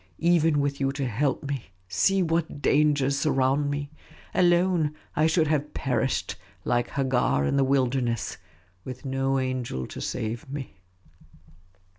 Even with you to help me, see what dangers surround me ; alone, I should have perished, like Hagar in the wilderness, with no angel to save me."